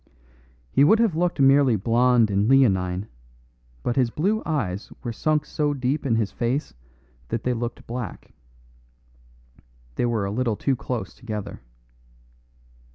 He would have looked merely blonde and leonine, but his blue eyes were sunk so deep in his face that they looked black. They were a little too close together.